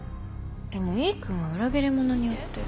でも井伊君は裏切り者によって。